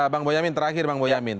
bang boyamin terakhir bang boyamin